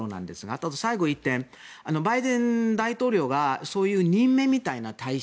あと最後１点、バイデン大統領がそういう任命みたいな大使